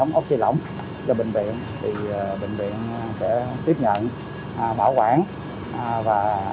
để có thể truy tị những bệnh viện covid nặng tại tp hcm